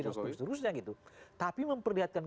dan seterusnya gitu tapi memperlihatkan